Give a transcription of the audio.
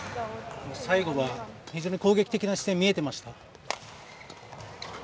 最後は非常に攻撃的な姿勢見えてました。